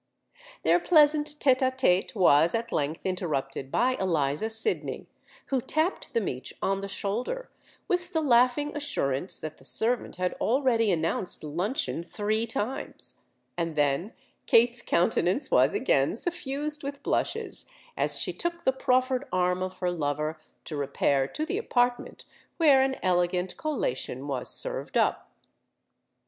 Their pleasant tête a tête was at length interrupted by Eliza Sydney, who tapped them each on the shoulder, with the laughing assurance that the servant had already announced luncheon three times; and then Kate's countenance was again suffused with blushes, as she took the proffered arm of her lover to repair to the apartment where an elegant collation was served up.